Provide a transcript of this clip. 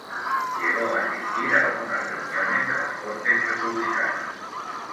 Llegó a asistir a algunas reuniones de las Cortes republicanas.